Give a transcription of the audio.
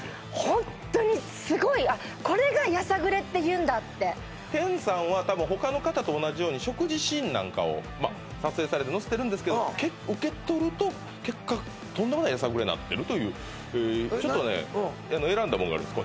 ホントにすごいんだって研さんはたぶん他の方と同じように食事シーンなんかを撮影されて載せてるんですけど受け取ると結果とんでもないやさぐれになってるというちょっとね選んだものがあるんです